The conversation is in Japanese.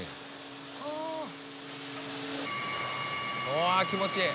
わあ気持ちいい！